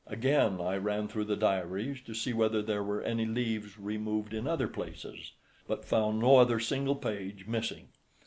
Again I ran through the diaries to see whether there were any leaves removed in other places, but found no other single page missing.